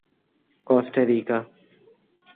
کوسٹا ریکا